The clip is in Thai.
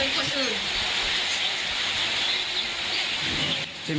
ไม่มาคุยใช่ไหม